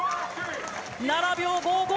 ７秒５５！